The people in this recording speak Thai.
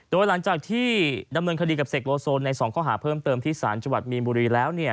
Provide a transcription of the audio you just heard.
โดยหลังจากที่ดำเนินคดีกับเสกโลโซนใน๒ข้อหาเพิ่มเติมที่สารจังหวัดมีนบุรีแล้วเนี่ย